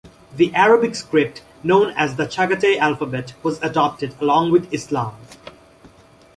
The Arabic script, known as the Chagatay alphabet, was adopted along with Islam.